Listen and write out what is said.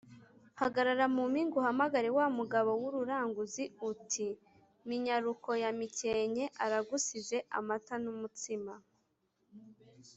Hagarara mu mpinga uhamagare wa mugabo w'ururangazi uti Minyaruko ya Nyamikenke aragusize-Amata n'umutsima.